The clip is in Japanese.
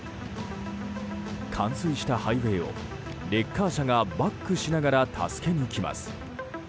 冠水したハイウェーをレッカー車がバックしながら助けに来ます。